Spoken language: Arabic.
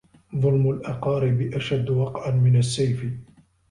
ظلم الأقارب أشد وقعا من السيف